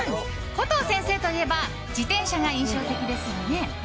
コトー先生といえば自転車が印象的ですよね。